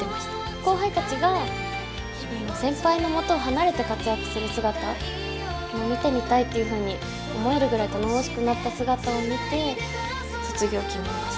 後輩たちが先輩のもとを離れて活躍する姿を見てみたいっていうふうに思えるぐらい頼もしくなった姿を見て、卒業を決めました。